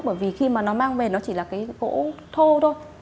bởi vì khi mà nó mang về nó chỉ là cái gỗ thô thôi